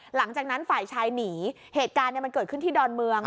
หลังจากนั้นฝ่ายชายหนีเหตุการณ์มันเกิดขึ้นที่ดอนเมือง